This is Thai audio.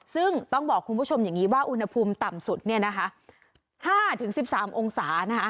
ซึ่งต้องบอกคุณผู้ชมอย่างนี้ว่าอุณหภูมิต่ำสุดเนี่ยนะคะ๕๑๓องศานะคะ